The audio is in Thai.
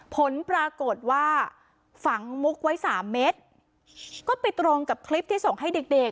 ผลปรากฏว่าฝังมุกไว้สามเม็ดก็ไปตรงกับคลิปที่ส่งให้เด็กเด็ก